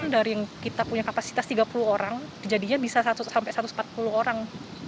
dari yang kita punya kapasitas tiga puluh orang jadinya bisa sampai satu ratus empat puluh orang